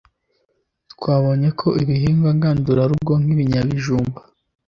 twabonye ko ibihingwa ngandurarugo nk’ibinyabijumba,